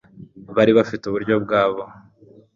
bari bafite uburyo bwabo